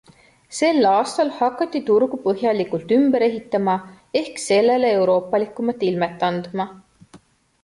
Sel aastal hakati turgu põhjalikult ümber ehitama ehk sellele euroopalikumat ilmet andma.